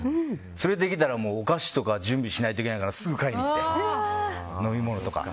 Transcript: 連れてきたら、お菓子とか準備しないといけないからすぐ買いに行って、飲み物とか。